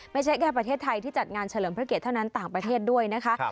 ไม่ใช่แค่ประเทศไทยที่จัดงานเฉลิมพระเกตเท่านั้นต่างประเทศด้วยนะคะ